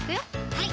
はい